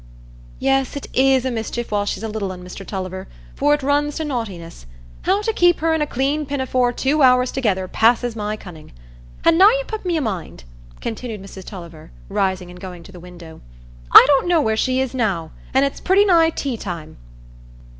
"Yes, it is a mischief while she's a little un, Mr Tulliver, for it runs to naughtiness. How to keep her in a clean pinafore two hours together passes my cunning. An' now you put me i' mind," continued Mrs Tulliver, rising and going to the window, "I don't know where she is now, an' it's pretty nigh tea time.